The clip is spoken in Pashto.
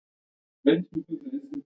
افغانستان د آب وهوا له مخې پېژندل کېږي.